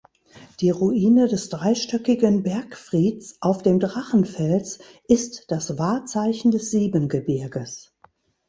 Die Ruine des dreistöckigen Bergfrieds auf dem Drachenfels ist das Wahrzeichen des Siebengebirges.